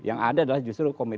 yang ada adalah justru komitmen